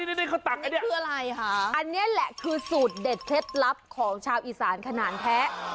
นี่เขาตักอันนี้คืออะไรคะอันนี้แหละคือสูตรเด็ดเคล็ดลับของชาวอีสานขนาดแท้